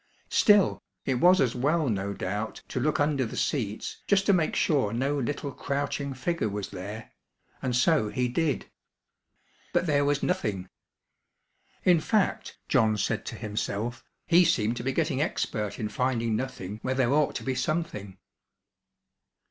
Still, it was as well no doubt to look under the seats just to make sure no little crouching figure was there, and so he did. But there was nothing. In fact, John said to himself, he seemed to be getting expert in finding nothing where there ought to be something.